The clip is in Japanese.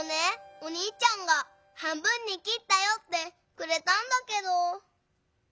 おにいちゃんが「半分にきったよ」ってくれたんだけど。